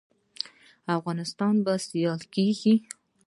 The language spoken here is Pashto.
افغانستان به سیال کیږي